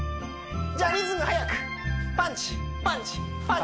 じゃあリズム速くパンチパンチパンチ